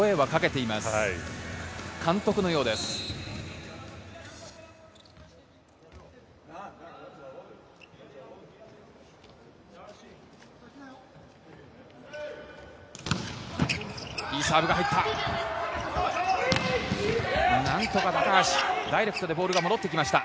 いいサーブが入った。